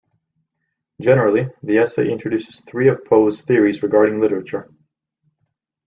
Generally, the essay introduces three of Poe's theories regarding literature.